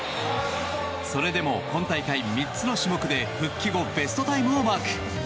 それでも今大会３つの種目で復帰後ベストタイムをマーク。